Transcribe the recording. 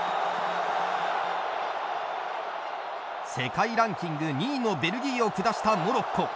世界ランキング２位のベルギーを下したモロッコ。